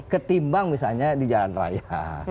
ketimbang misalnya di jalan raya